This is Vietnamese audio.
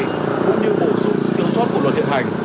cũng như bổ sung sự kiểm soát của luật hiện hành